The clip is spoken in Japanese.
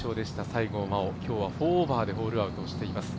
西郷真央、今日４オーバーでホールアウトしています。